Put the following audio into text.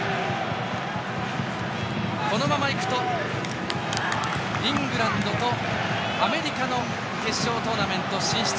このままいくとイングランドとアメリカの決勝トーナメント進出。